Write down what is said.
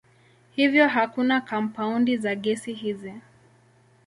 Hivyo hakuna kampaundi za gesi hizi.